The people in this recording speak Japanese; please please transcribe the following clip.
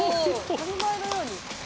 当たり前のように。